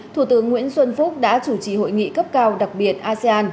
thủ tướng nguyễn xuân phúc đã chủ trì hội nghị cấp cao đặc biệt asean